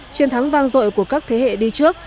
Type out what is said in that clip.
chiến thắng vang dội của các thế hệ đi trước